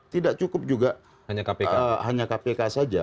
tidak cukup juga hanya kpk saja